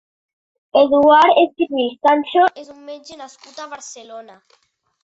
Eduard Estivill Sancho és un metge nascut a Barcelona.